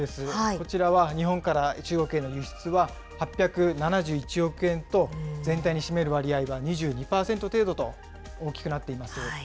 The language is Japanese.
こちらは日本から中国への輸出は８７１億円と、全体に占める割合は２２％程度と大きくなっています。